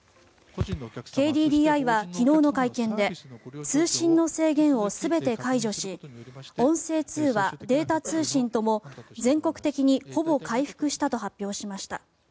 ＫＤＤＩは昨日の会見で通信の制限を全て解除し音声通話、データ通信とも全国的にほぼ回復したと発表しました。